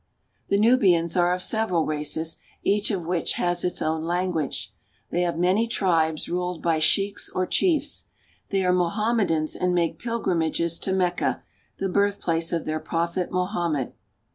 The Nubians are of several races, each of which has its own language. They have many tribes, ruled by sheiks or chiefs. They are Mohammedans and make pilgrimages to Mecca, the birthplace of their prophet, Mohammed.